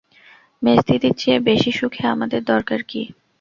মেজদিদির চেয়ে বেশি সুখে আমাদের দরকার কী?